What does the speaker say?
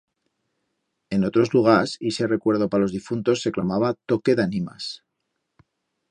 En otros lugars ixe recuerdo pa los difuntos se clamaba toque d'animas.